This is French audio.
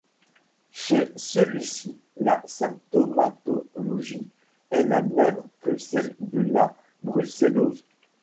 Chez celui-ci, la symptomatologie est la même que celle de la brucellose.